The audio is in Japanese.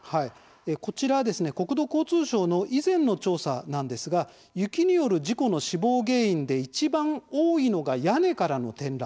こちらは国土交通省の以前の調査なんですが雪による事故の死亡原因でいちばん多いのが屋根からの転落。